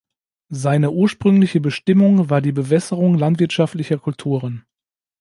Seine ursprüngliche Bestimmung war die Bewässerung landwirtschaftlicher Kulturen.